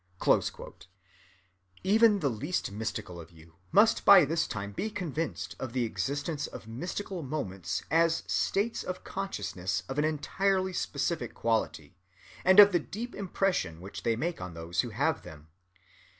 (240) Even the least mystical of you must by this time be convinced of the existence of mystical moments as states of consciousness of an entirely specific quality, and of the deep impression which they make on those who have them.